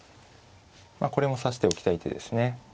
まあこれも指しておきたい手ですね。